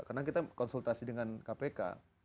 karena kita konsultasi dengan kpk